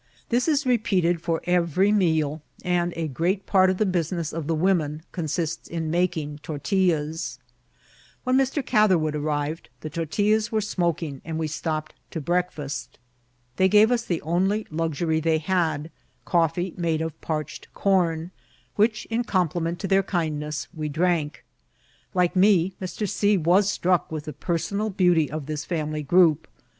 This is repeated for every meal, and a great part of the business of the women consists in making tortillas. When Mr. Catherwood arrived the tortillas were smoking, and we stopped to breakfast. They gave us the only luxury they had, coffee made of parched com, which, in compliment to their kindness, we drank. Like me, Mr. C. was struck with the personal beauty of this family group.